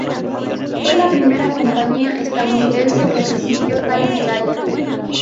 Fue la primera compañía estadounidense que recibió tal medalla.